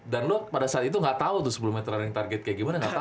dan lu pada saat itu gak tau tuh sebelumnya ter running target kayak gimana gak tau